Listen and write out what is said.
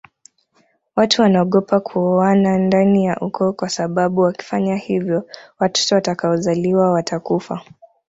Watu wnaogopa kuoana ndani ya ukoo kwasababu wakifanya hivyo watoto watakaozaliwa watakufa